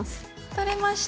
取れました。